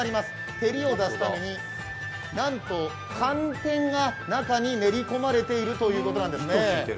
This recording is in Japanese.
照りを出すために、なんと寒天が中に練り込まれているということなんですね。